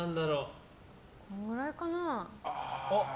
このくらいかな。